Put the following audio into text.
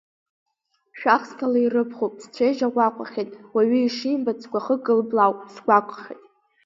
Шәахсҭала ирыԥхуп, сцәеижь аҟәаҟәахьеит, уаҩы ишимбац сгәахы кылблаауп, сгәаҟхьеит.